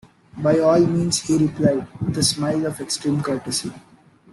"By all means," he replied, with a smile of extreme courtesy.